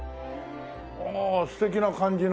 ああ素敵な感じの。